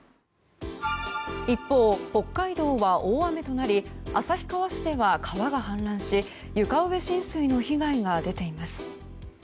一方、北海道は大雨となり旭川市では川が氾濫し床上浸水の被害が出ています。